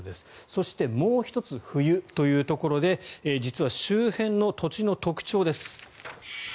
そしてもう１つ冬というところで実は周辺の土地の特徴です。